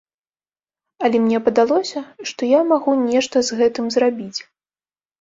Але мне падалося, што я магу нешта з гэтым зрабіць.